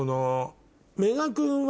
メガ君は。